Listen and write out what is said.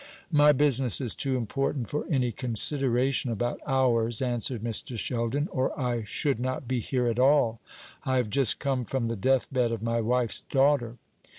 "My business is too important for any consideration about hours," answered Mr. Sheldon, "or I should not be here at all. I have just come from the deathbed of my wife's daughter."